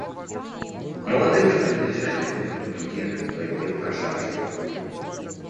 К молодым же принадлежали придворные мундиры, кое-где украшавшие толпу.